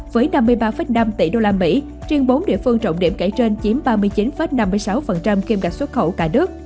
với năm mươi ba năm tỷ usd riêng bốn địa phương trọng điểm kể trên chiếm ba mươi chín năm mươi sáu kiêm gạch xuất khẩu cả nước